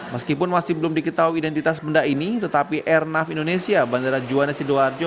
meskipun masih belum diketahui identitas benda ini tetapi airnav indonesia bandara juanda sidoarjo